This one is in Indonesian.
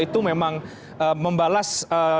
itu memang membalas